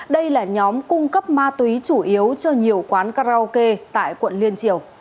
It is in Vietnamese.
đây là nhóm cung cấp ma túy chủ yếu cho nhiều quán